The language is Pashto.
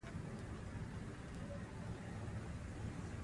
د فشار لاندې بدن د چمتووالي حالت تجربه کوي.